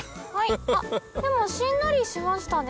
でもしんなりしましたね